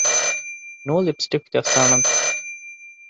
ނޫ ލިޕްސްޓިކް ޖައްސާނަންތަ؟